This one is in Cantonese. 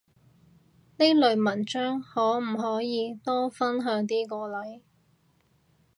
呢類文章可唔可以分享多啲過嚟？